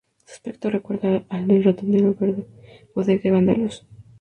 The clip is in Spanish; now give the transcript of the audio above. Su aspecto recuerda al del Ratonero Bodeguero Andaluz.